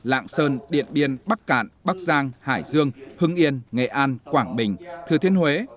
lạng sơn điện biên bắc cạn bắc giang hải dương hưng yên nghệ an quảng bình thừa thiên huế